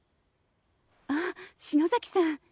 あっ篠崎さん